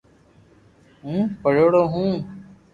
ھون پڙھيڙو ھون